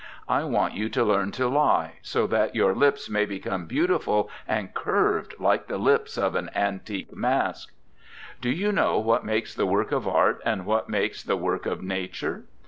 I want you to learn to lie so that your lips may become beautiful and curved like the lips of an antique mask. 'Do you know what makes the work of art, and what makes the work of nature?